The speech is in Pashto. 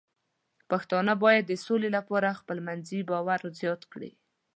پښتانه بايد د سولې لپاره خپلمنځي باور زیات کړي.